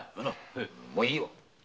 もういいよ。